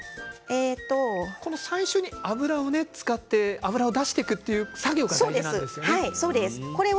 最初に油を使って油を出していくというのが大事なんですね。